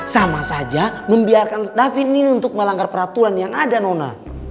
sama saja membiarkan david ini untuk melanggar peraturan yang ada nona